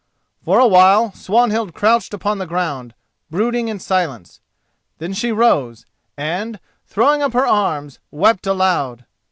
For a while Swanhild crouched upon the ground, brooding in silence. Then she rose, and, throwing up her arms, wept aloud.